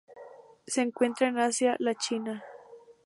Se encuentra en Asia: la China.